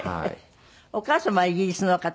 お母様はイギリスの方？